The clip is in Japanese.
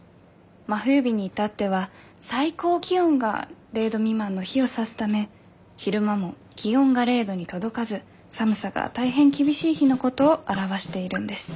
真冬日に至っては最高気温が０度未満の日を指すため昼間も気温が０度に届かず寒さが大変厳しい日のことを表しているんです。